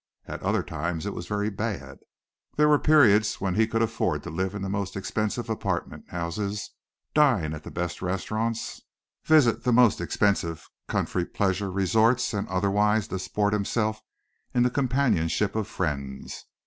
At other times it was very bad. There were periods when he could afford to live in the most expensive apartment houses, dine at the best restaurants, visit the most expensive country pleasure resorts and otherwise disport himself in the companionship of friends.